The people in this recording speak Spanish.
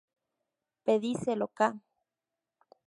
Pedicelo ca.